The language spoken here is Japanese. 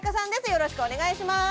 よろしくお願いします